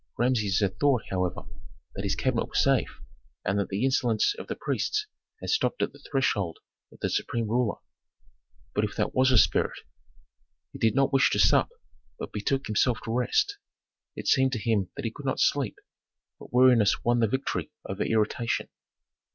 Rameses had thought, however, that his cabinet was safe, and that the insolence of priests had stopped at the threshold of the supreme ruler. "But if that was a spirit?" He did not wish to sup, but betook himself to rest. It seemed to him that he could not sleep; but weariness won the victory over irritation.